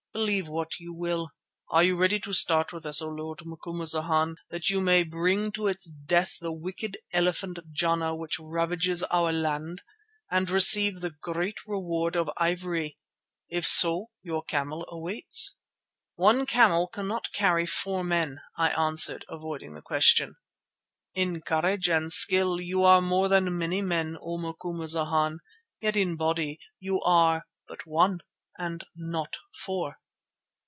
Believe what you will. Are you ready to start with us, O Lord Macumazana, that you may bring to its death the wicked elephant Jana which ravages our land, and receive the great reward of ivory? If so, your camel waits." "One camel cannot carry four men," I answered, avoiding the question. "In courage and skill you are more than many men, O Macumazana, yet in body you are but one and not four."